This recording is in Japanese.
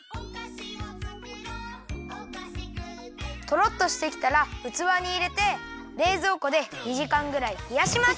とろっとしてきたらうつわにいれてれいぞうこで２じかんぐらいひやします。